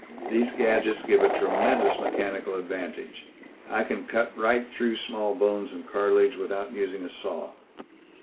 "These gadgets give a tremendous mechanical advantage. I can cut right through small bones and cartilage without using a saw."